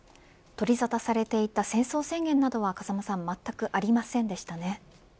取りざたされていた戦争宣言などはまったくありませんでしたね。